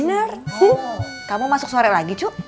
maksudnya mau main ke kantor sore lagi cu